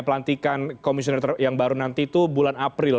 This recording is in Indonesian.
pelantikan komisioner yang baru nanti itu bulan april